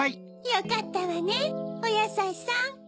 よかったわねおやさいさん。